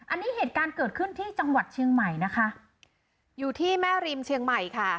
อันนี้เหตุการณ์เกิดขึ้นที่จังหวัดเชียงใหม่นะคะอยู่ที่แม่ริมเชียงใหม่ค่ะ